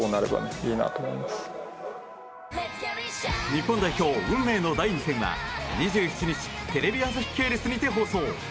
日本代表、運命の第２戦は２７日テレビ朝日系列にて放送。